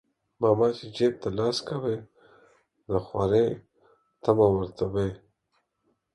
ماما چى جيب ته لاس کوى د خورى طعمه ورته وى.